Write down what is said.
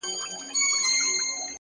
ماسومان ترې وېرېږي تل,